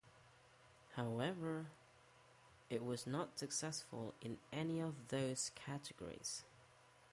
However, it was not successful in any of those categories.